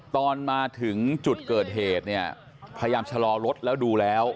ตอนมาถึงจุดเกิดเหตุเนี่ยพยายามชะลอรถแล้วดูแล้ว